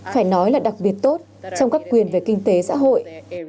phải nói là đặc biệt tốt trong các quyền về kinh tế xã hội